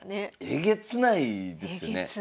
えげつないですよね。